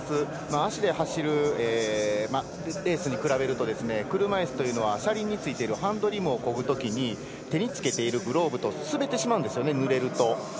足で走るレースに比べると車いすというのは車輪についているハンドリムをこぐときに手につけているグローブが滑ってしまうんですね、ぬれると。